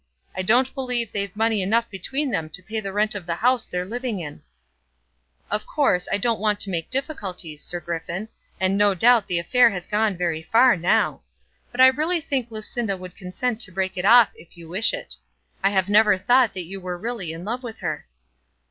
I don't believe they've money enough between them to pay the rent of the house they're living in." "Of course, I don't want to make difficulties, Sir Griffin, and no doubt the affair has gone very far now. But I really think Lucinda would consent to break it off if you wish it. I have never thought that you were really in love with her."